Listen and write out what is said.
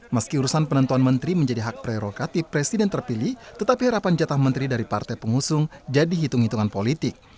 meski urusan penentuan menteri menjadi hak prerogatif presiden terpilih tetapi harapan jatah menteri dari partai pengusung jadi hitung hitungan politik